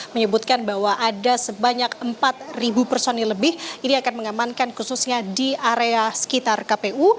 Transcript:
menyebutkan bahwa ada sebanyak empat personil lebih ini akan mengamankan khususnya di area sekitar kpu